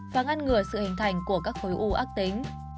và ngăn ngừa sự hình thành của các khối u ác tính